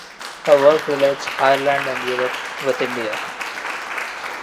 Her work relates Ireland and Europe with India.